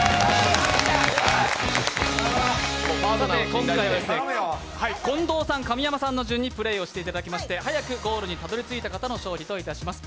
今回は近藤さん、神山さんの順でプレーしていただいて早くゴールにたどり着いた方の勝利といたします。